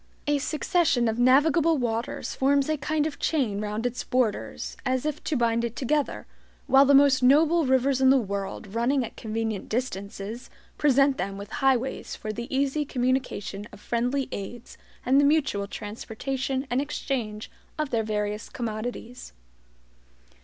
A succession of navigable waters forms a kind of chain round its borders, as if to bind it together; while the most noble rivers in the world, running at convenient distances, present them with highways for the easy communication of friendly aids, and the mutual transportation and exchange of their various commodities.